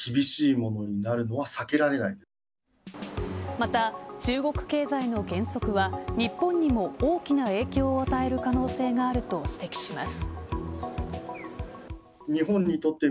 また、中国経済の減速は日本にも大きな影響を与える可能性があると指摘します。